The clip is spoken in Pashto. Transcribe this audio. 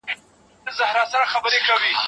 د جنت اوسیدونکي هم له همدي خلیفه څخه دي.